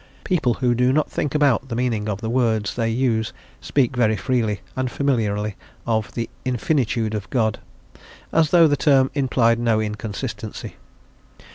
People who do not think about the meaning of the words they use speak very freely and familiarly of the "infinitude" of God, as though the term implied no inconsistency.